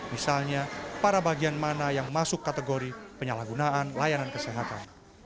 misalnya para bagian mana yang masuk kategori penyalahgunaan layanan kesehatan